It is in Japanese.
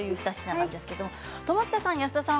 友近さんや安田さん